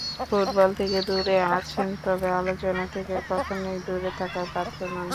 Football থেকে দূরে আছেন, তবে আলোচনা থেকে কখনোই দূরে থাকার পাত্র নন।